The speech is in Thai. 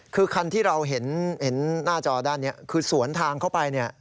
คือคันที่เราเห็นหน้าจอด้านนี้คือสวนทางเข้าไปเนี่ย